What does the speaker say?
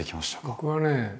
僕はね